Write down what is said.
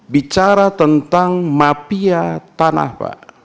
bicara tentang mafia tanah pak